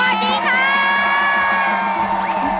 สวัสดีครับ